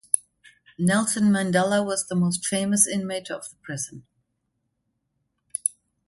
Nelson Mandela was the most famous inmate of the prison.